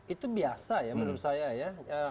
itu biasa ya menurut saya ya